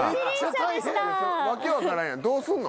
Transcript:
訳分からんやん。